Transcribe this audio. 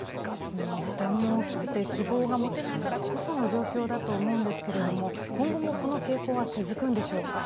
負担も大きくて希望が持てないからこその状況だと思うんですけれども今後も、この傾向は続くんでしょうか。